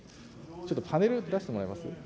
ちょっとパネル出してもらえます。